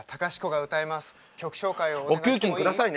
曲紹介をお願いしてもいい？